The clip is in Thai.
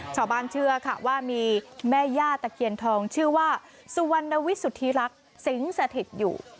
ชอบบ้านเชื่อค่ะว่ามีแม่ญาติตะเคียนทองชื่อว่าสุวรรณวิสุธีรักษ์สิงศ์สถิตย์อยู่